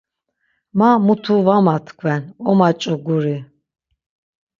Ma mutu var matkven omaç̌u guri.